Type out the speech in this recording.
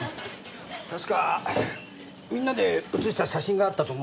確かみんなで写した写真があったと思うんだけど。